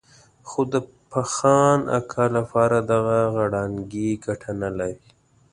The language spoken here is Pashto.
خو د فخان اکا لپاره دغه غړانګې ګټه نه لري.